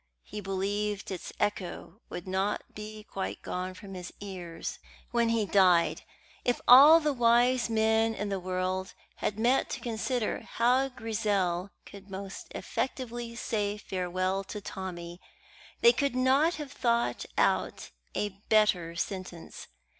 He believed its echo would not be quite gone from his ears when he died. If all the wise men in the world had met to consider how Grizel could most effectively say farewell to Tommy, they could not have thought out a better sentence.